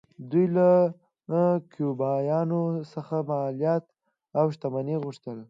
دوی له کیوبایانو څخه مالیات او شتمنۍ غوښتل